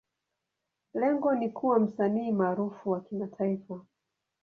Lengo ni kuwa msanii maarufu wa kimataifa.